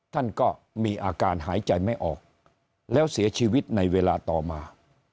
ท่านก็มีอาการหายใจไม่ออกแล้วเสียชีวิตในเวลาต่อมา